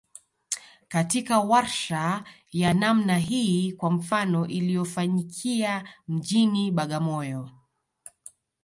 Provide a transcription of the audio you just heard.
katika warsha ya namna hii kwa mfano iliyofanyikia mjini Bagamoyo